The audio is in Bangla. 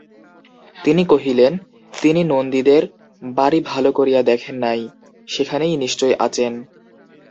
তিনি কহিলেন, তিনি নন্দীদের বাড়ি ভালো করিয়া দেখেন নাই, সেখানেই নিশ্চয় আচেন।